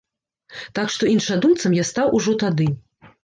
Так што іншадумцам я стаў ужо тады.